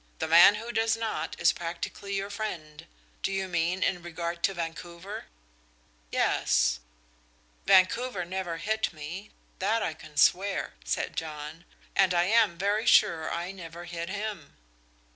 The man who does not is practically your friend. Do you mean in regard to Vancouver?" "Yes." "Vancouver never hit me, that I can swear," said John, "and I am very sure I never hit him."